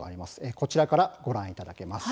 こちらからご覧いただけます。